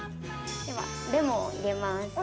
ではレモンを入れます。